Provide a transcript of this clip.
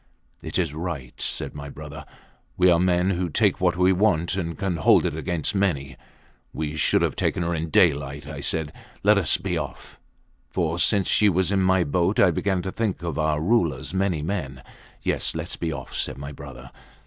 It is right, said my brother. We are men who take what we want and can hold it against many. We should have taken her in daylight. I said, Let us be off; for since she was in my boat I began to think of our Rulers many men. Yes. Let us be off, said my brother.